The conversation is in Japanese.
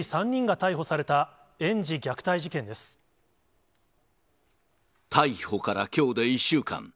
逮捕からきょうで１週間。